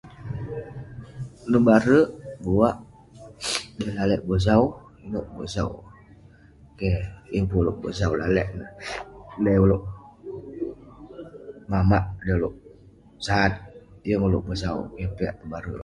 Nebare buak, dei lalek bosau. Inouk bosau. Keh. Yeng pun ulouk bosan lalek neh. dei ulouk mamak, dei ulouk sat. Yeng ulouk bosau. Keh piak nebare.